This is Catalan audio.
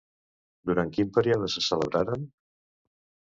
Durant quin període se celebraren?